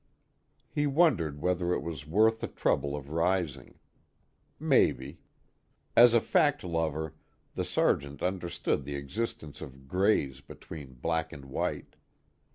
He wondered whether it was worth the trouble of rising. Maybe. As a fact lover, the Sergeant understood the existence of grays between black and white.